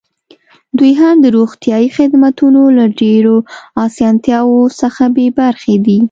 دوی هم د روغتیايي خدمتونو له ډېرو اسانتیاوو څخه بې برخې دي.